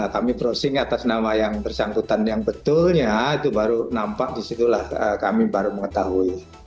kami browsing atas nama yang bersangkutan yang betulnya itu baru nampak disitulah kami baru mengetahui